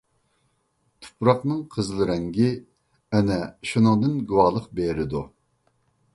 تۇپراقنىڭ قىزىل رەڭگى ئەنە شۇنىڭدىن گۇۋاھلىق بېرىدۇ.